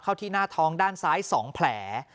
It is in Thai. ที่หน้าท้องด้านซ้าย๒แผล